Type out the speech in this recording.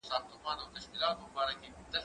کېدای سي امادګي نيمګړی وي!!